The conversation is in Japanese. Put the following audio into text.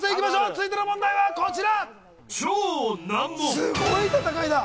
続いての問題はこちら。